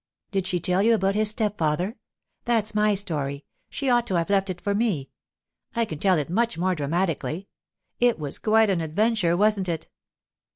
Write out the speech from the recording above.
'Did she tell you about his stepfather? That's my story; she ought to have left it for me. I can tell it much more dramatically. It was quite an adventure, wasn't it?